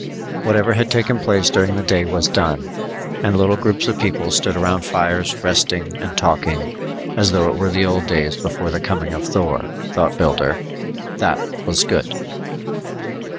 Whatever had taken place during the day was done, and little groups of people stood around fires resting and talking as though it were the old days before the coming of Thor, thought Builder. That was good.